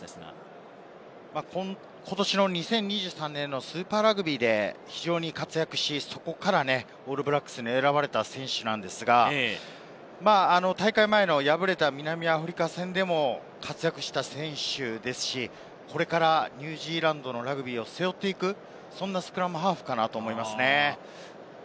ことしの２０２３年のスーパーラグビーで非常に活躍してそこからオールブラックスに選ばれた選手なんですが、大会前の敗れた南アフリカ戦でも活躍した選手ですし、これからニュージーランドのラグビーを背負っていくスクラムハーフかなと思いますね。